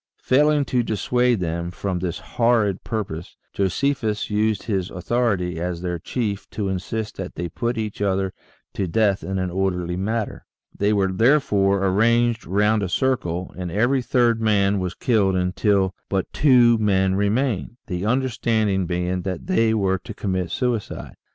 Failing to dissuade them from this horrid purpose, Josephus used his authority as their chief to insist that they put each other to death in an orderly manner. They were therefore arranged round a circle, and every third man was killed until but two men remained, the understanding being that they were to commit suicide.